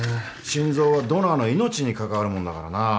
心臓はドナーの命に関わるもんだからな。